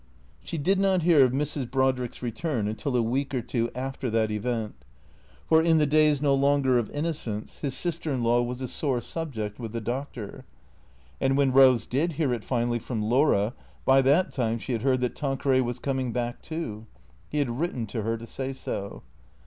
She did not hear of Mrs. Brodrick's return until a week or two after that event: for, in the days no longer of innocence, his sister in law was a sore subject with the Doctor. And when Eose did hear it finally from Laura, by that time she had heard that Tanqueray was coming back too. He had written to her to say so.